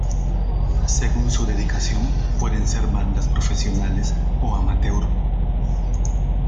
Según su dedicación pueden ser bandas profesionales o amateur.